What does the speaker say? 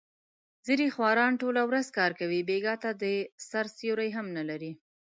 ځنې خواران ټوله ورځ کار کوي، بېګاه ته د سیر سیوری هم نه لري.